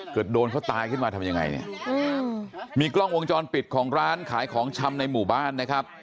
เกิดโดนเขาตายขึ้นมาทำยังไงเนี่ยมีกล้องวงจรปิดของร้านขายของชำในหมู่บ้านนะครับ